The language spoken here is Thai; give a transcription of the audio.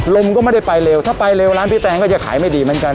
ลมก็ไม่ได้ไปเร็วถ้าไปเร็วร้านพี่แตงก็จะขายไม่ดีเหมือนกัน